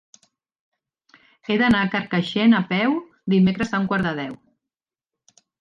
He d'anar a Carcaixent a peu dimecres a un quart de deu.